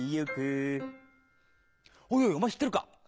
「おいおいお前知ってるか？